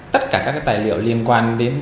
tất cả các tài liệu liên quan đến